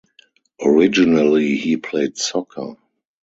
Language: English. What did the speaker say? Originally he played soccer.